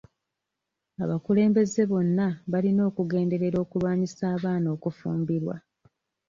Abakulembeze bonna balina okugenderera okulwanyisa abaana okufumbirwa.